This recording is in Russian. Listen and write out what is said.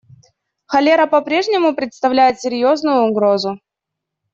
Холера по-прежнему представляет серьезную угрозу.